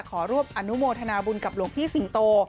ขอร่วมอนุโมทนาบุญกับหลวงพี่สิงโต